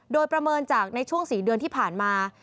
โดยประเมินจากในช่วง๔เดือนที่ผ่านมา